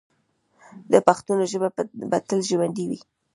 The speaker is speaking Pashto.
د پښتنو ژبه به تل ژوندی وي.